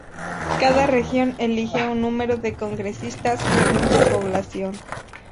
Cada región elige un número de congresistas según su población.